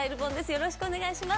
よろしくお願いします。